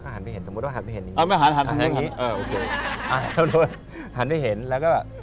หันไปเห็นแล้วก็แบบ